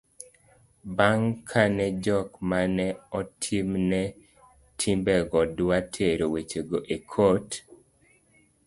bang' kane jok mane otimne timbego dwa tero weche go e kot